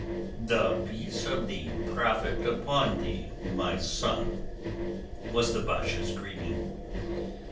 "The peace of the Prophet upon thee," my son, was the Basha's greeting.